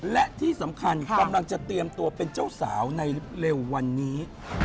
และที่สำคัญกำลังจะเตรียมตัวเป็นเจ้าสาวในเร็ววันนี้